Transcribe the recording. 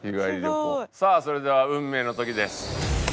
さあそれでは運命の時です。